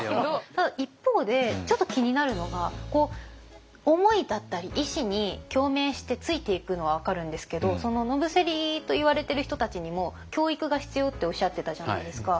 ただ一方でちょっと気になるのが思いだったり意志に共鳴してついていくのは分かるんですけど野伏といわれてる人たちにも教育が必要っておっしゃってたじゃないですか。